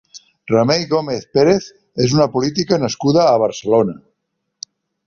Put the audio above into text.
Remei Gómez Pérez és una política nascuda a Barcelona.